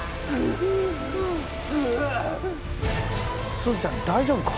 すずちゃん大丈夫か？